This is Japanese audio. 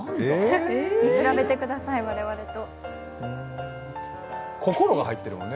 見比べてください、我々と。